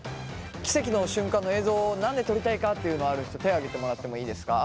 キセキの瞬間の映像を何で撮りたいかっていうのある人手を挙げてもらってもいいですか？